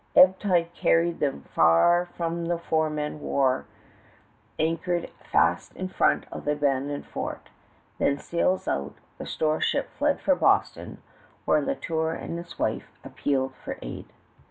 Ebb tide carried them far from the four men of war anchored fast in front of the abandoned fort. Then sails out, the store ship fled for Boston, where La Tour and his wife appealed for aid.